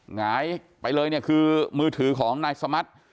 หงายไปเลยเนี่ยคือมือถือของนายสมัติ